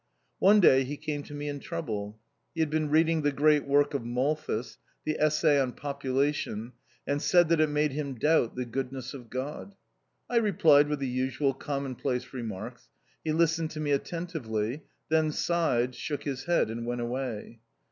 One day he came to me in trouble. He had been reading the great work of Malthus — the Essay on Population — and said that it made him doubt the goodness of God. I replied with the usual commonplace remarks ; he listened to me attentively, then sighed, shook his head, and went away.